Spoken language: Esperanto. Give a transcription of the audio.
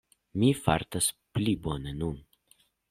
Mi fartas pli bone nun.